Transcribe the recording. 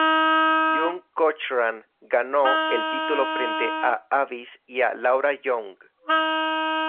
June Cochran ganó el título frente a Avis y a Laura Young.